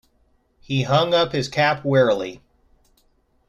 He hung up his cap wearily.